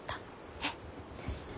えっ？